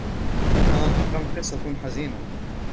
إنها حقّاً قصّة حزينة.